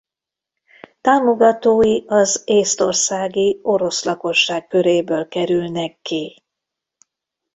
Támogatói az észtországi orosz lakosság köréből kerülnek ki.